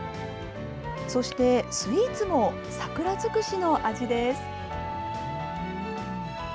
そしてスイーツも桜づくしの味です。